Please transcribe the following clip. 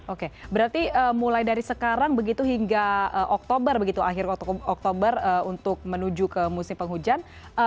oke berarti mulai dari sekarang begitu hingga oktober begitu akhir oktober untuk menuju ke musim penghujan